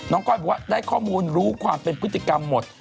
ก้อยบอกว่าได้ข้อมูลรู้ความเป็นพฤติกรรมหมด